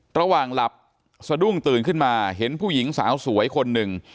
ระหว่างหลับสะดุ้งตื่นขึ้นมาเห็นผู้หญิงสาวสวยคนหนึ่ง